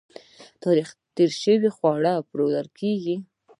آیا تاریخ تیر شوي خواړه پلورل کیږي؟